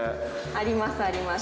あります。